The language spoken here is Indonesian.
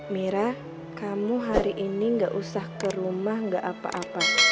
mira kamu hari ini gak usah ke rumah gak apa apa